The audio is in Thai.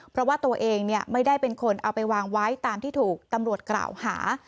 เพราะว่าตัวเองไม่ได้เป็นคนเอาไปวางไว้ตามที่ถูกตำรวจกล่าวหา